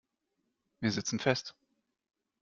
Wir sitzen fest.